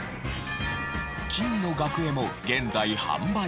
金の額絵も現在販売中。